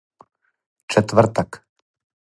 четвртак